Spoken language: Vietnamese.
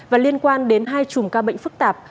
và liên quan đến hai chùm ca bệnh phức tạp